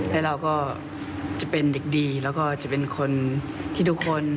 แล้วเราก็จะเป็นเด็กดีแล้วก็จะเป็นคนที่ทุกคน